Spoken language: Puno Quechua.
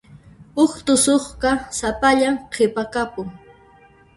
Huk tusuqqa sapallan qhipakapun.